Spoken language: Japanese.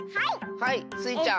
はいスイちゃん。